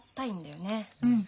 うん。